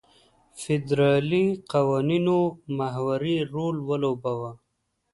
فدرالي قوانینو محوري رول ولوباوه.